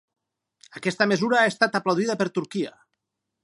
Aquesta mesura ha estat aplaudida per Turquia.